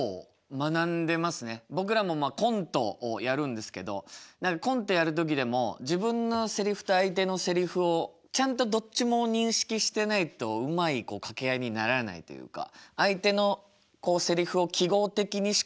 僕らもコントをやるんですけどコントやる時でも自分のセリフと相手のセリフをちゃんとどっちも認識してないとうまい掛け合いにならないというか。